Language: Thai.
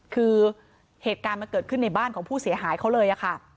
คือเหตุการณ์มันเกิดขึ้นในบ้านของผู้เสียหายเขาเลยค่ะ